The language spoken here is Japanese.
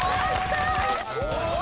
お！